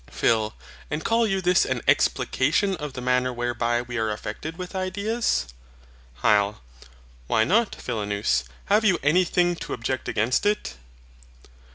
PHIL. And call you this an explication of the manner whereby we are affected with ideas? HYL. Why not, Philonous? Have you anything to object against it?